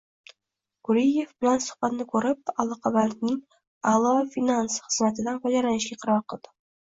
Guriyev bilan suhbatni ko'rib, Aloqabankning "A'lo Finance" xizmatidan foydalanishga qaror qildim